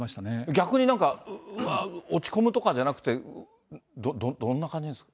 逆になんか、落ち込むとかじゃなくて、どんな感じなんですか？